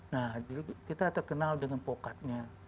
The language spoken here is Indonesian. nah dulu kita terkenal dengan pokatnya